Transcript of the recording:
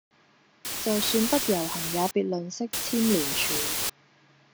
就算不遊行也別吝嗇簽聯署